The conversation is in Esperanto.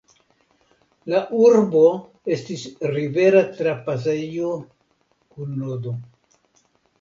La urbo estis rivera trapasejo kun nodo.